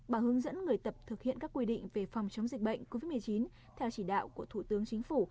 và hướng dẫn người tập thực hiện các quy định về phòng chống dịch bệnh covid một mươi chín theo chỉ đạo của thủ tướng chính phủ